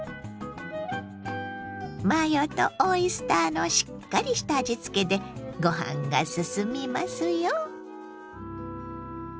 マヨとオイスターのしっかりした味付けでご飯がすすみますよ。